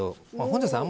本上さん